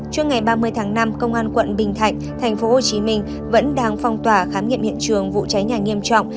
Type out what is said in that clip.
trước ngày ba mươi tháng năm công an quận bình thạnh tp hcm vẫn đang phong tỏa khám nghiệm hiện trường vụ cháy nhà nghiêm trọng